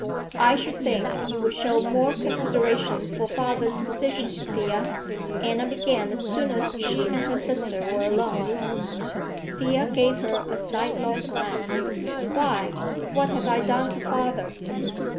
"I should think you would show more consideration for father's position, Thea," Anna began as soon as she and her sister were alone. Thea gave her a sidelong glance. "Why, what have I done to father?"